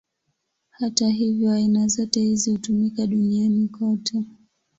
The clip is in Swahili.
Hata hivyo, aina zote hizi hutumika duniani kote.